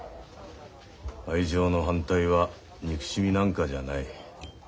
愛情の反対は憎しみなんかじゃない。